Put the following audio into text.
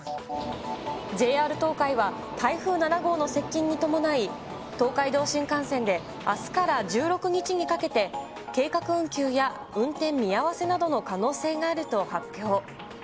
ＪＲ東海は台風７号の接近に伴い、東海道新幹線で、あすから１６日にかけて、計画運休や運転見合わせなどの可能性があると発表。